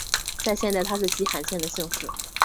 在现代它是极罕见的姓氏。